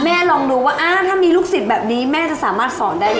แม่ลองดูว่าอ้าวถ้ามีลูกศิษย์แบบนี้แม่จะสามารถสอนได้ไหมนะอ๋อ